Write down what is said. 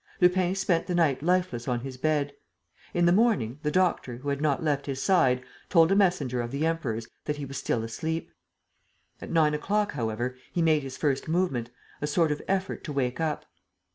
Lupin spent the night lifeless on his bed. In the morning, the doctor, who had not left his side, told a messenger of the Emperor's that he was still asleep. At nine o'clock, however, he made his first movement, a sort of effort to wake up.